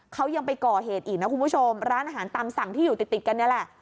เขายังไปก่อเหตุอีกนะคุณผู้ชมร้านอาหารตามสั่งที่อยู่ติดติดกันนี่แหละ